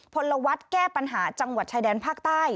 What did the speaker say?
พลวัฒน์แก้ปัญหาจังหวัดชายแดนภาคใต้